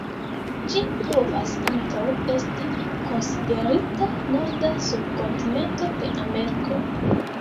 Ĝi povas ankaŭ esti konsiderita norda subkontinento de Ameriko.